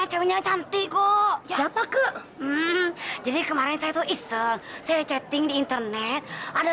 ceweknya cantik goh ya pak ke jadi kemarin saya tuh iseng saya chatting di internet ada